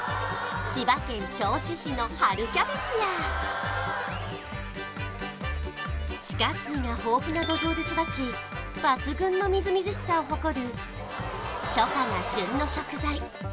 千葉県銚子市の春キャベツや地下水が豊富な土壌で育ち抜群のみずみずしさを誇る初夏が旬の食材